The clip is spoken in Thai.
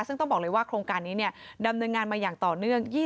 ซึ่งต้องบอกเลยว่าโครงการนี้ดำเนินงานมาอย่างต่อเนื่อง